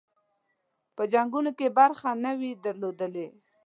په جنګونو کې برخه نه وي درلودلې.